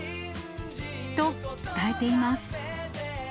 と、伝えています。